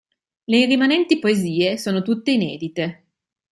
Le rimanenti poesie sono tutte inedite.